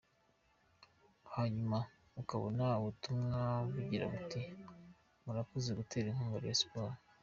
Hanyuma ukabona ubutumwa bugira buti “murakoze gutera inkunga Rayon Sports”.